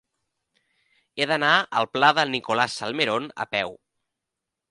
He d'anar al pla de Nicolás Salmerón a peu.